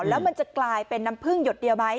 แล้วมันจะกลายเป็นน้ำพึ่งหยดเดียวไหม